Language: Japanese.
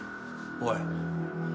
おい。